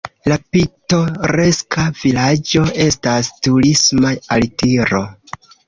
La pitoreska vilaĝo estas turisma altiro.